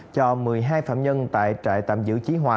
cho một mươi hai phạm nhân tại trại tạm dự